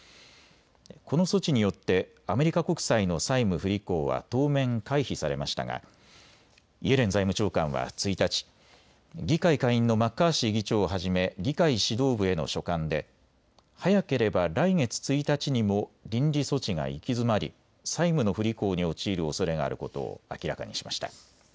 この措置によってアメリカ国債の債務不履行は当面、回避されましたがイエレン財務長官は１日、議会下院のマッカーシー議長をはじめ議会指導部への書簡で早ければ来月１日にも臨時措置が行き詰まり債務の不履行に陥るおそれがあることを明らかにしました。